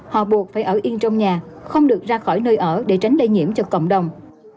họ buộc phải ở yên trong nhà không được ra khỏi nơi ở để tránh lây nhiễm cho cộng đồng